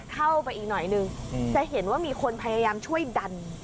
เข้าไปอีกหน่อยนึงจะเห็นว่ามีคนพยายามช่วยดัน